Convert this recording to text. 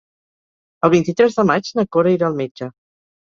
El vint-i-tres de maig na Cora irà al metge.